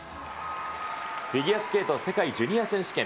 フィギュアスケート世界ジュニア選手権。